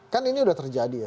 kan ini sudah terjadi ya